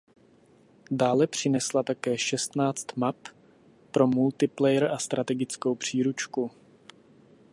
Dále přinesla také šestnáct map pro Multiplayer a strategickou příručku.